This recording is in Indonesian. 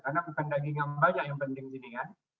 karena bukan daging yang banyak yang penting ini kan